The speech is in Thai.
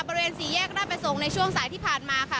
บริเวณสี่แยกราชประสงค์ในช่วงสายที่ผ่านมาค่ะ